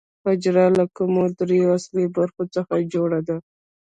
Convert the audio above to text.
حجره له کومو درېیو اصلي برخو څخه جوړه ده